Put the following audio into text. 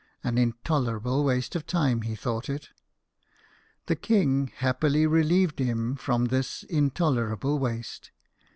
"An intolerable waste of time," he thought it. The king happily relieved him from this intolerable waste.